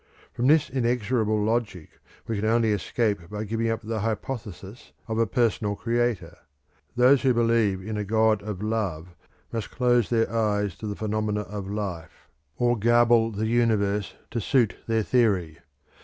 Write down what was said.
From this inexorable logic we can only escape by giving up the hypothesis of a personal Creator. Those who believe in a God of Love must close their eyes to the phenomena of life, or garble the universe to suit their theory.